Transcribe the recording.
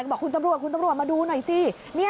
บอกคุณตำรวจมาดูหน่อยสิ